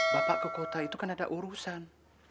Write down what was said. bapak ke kota itu kan ada urusan